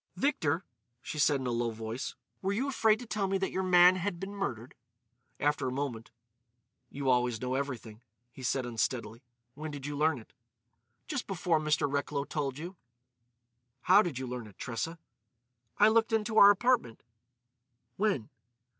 "Victor," she said in a low voice, "were you afraid to tell me that your man had been murdered?" After a moment: "You always know everything," he said unsteadily. "When did you learn it?" "Just before Mr. Recklow told you." "How did you learn it, Tressa?" "I looked into our apartment." "When?"